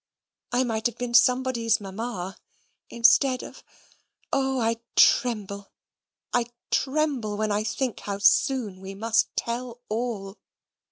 I might have been somebody's mamma, instead of O, I tremble, I tremble, when I think how soon we must tell all!